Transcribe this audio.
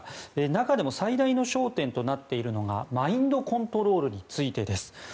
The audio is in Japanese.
中でも最大の焦点となっているのがマインドコントロールについてです。